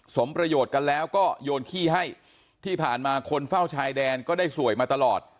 สมประโยชน์กันแล้วก็โยนขี้ให้ที่ผ่านมาคนเฝ้าชายแดนก็ได้สวยมาตลอด